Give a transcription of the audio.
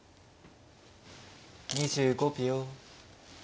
２５秒。